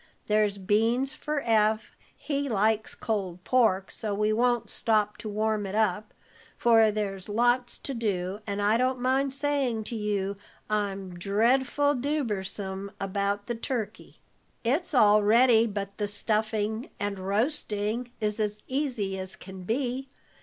There's beans for Eph; he likes cold pork, so we won't stop to warm it up, for there's lots to do, and I don't mind saying to you I'm dreadful dubersome about the turkey." "It's all ready but the stuffing, and roasting is as easy as can be.